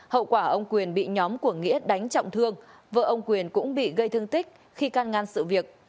hậu quả ông quyền bị nhóm của nghĩa đánh trọng thương vợ ông quyền cũng bị gây thương tích khi can ngăn sự việc